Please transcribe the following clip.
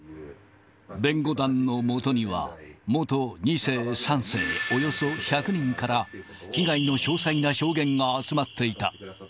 弁護団のもとには、元２世、３世およそ１００人から、被害の詳細な証言が集まっていた。